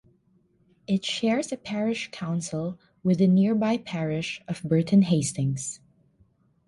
It shares a parish council with the nearby parish of Burton Hastings.